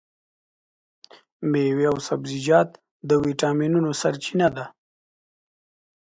مېوې او سبزیجات د ویټامینونو سرچینه ده.